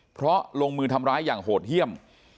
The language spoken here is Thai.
เพราะลงมือทำร้ายอย่างโหดเยี่ยม